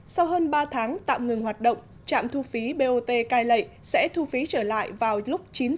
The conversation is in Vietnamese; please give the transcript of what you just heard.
sau hơn ba tháng tạm ngừng hoạt động trạm thu phí bot cai lệ sẽ thu phí trở lại vào lúc chín h ngày ba mươi tháng một mươi một năm hai nghìn một mươi bảy